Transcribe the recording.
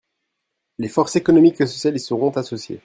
Les forces économiques et sociales y seront associées.